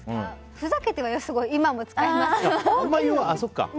ふざけては今も使いますけど。